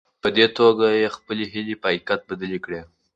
په دې توګه يې خپلې هيلې په حقيقت بدلې کړې.